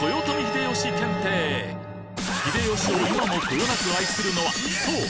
秀吉を今もこよなく愛するのはそう！